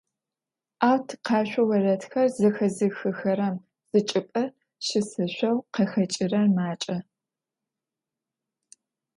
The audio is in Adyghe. Ау тикъэшъо орэдхэр зэхэзыхыхэрэм зычӏыпӏэ щысышъоу къахэкӏырэр макӏэ.